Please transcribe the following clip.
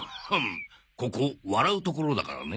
ここ笑うところだからね？